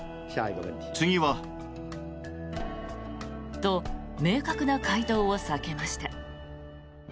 と、明確な回答を避けました。